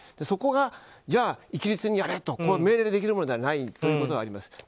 そこがじゃあ、一律にやれと命令できるものではないというところがあります。